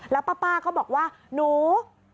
แล้วป้าก็บอกว่าหนู